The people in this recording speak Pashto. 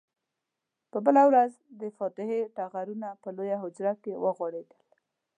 په بله ورځ د فاتحې ټغرونه په لویه حجره کې وغوړېدل.